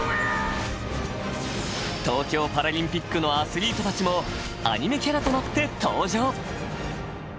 東京パラリンピックのアスリートたちもアニメキャラとなって登場。